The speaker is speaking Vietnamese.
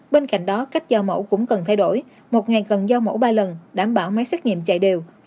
bên cạnh đó cách gieo mẫu cũng cần thay đổi một ngày cần gieo mẫu ba lần đảm bảo máy xét nghiệm chạy đều